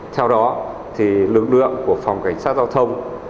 theo đó lực lượng của phòng cảnh sát giao thông